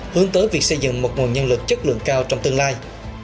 hướng tới việc xây dựng một nguồn nhân lực chất lượng cao trong tương lai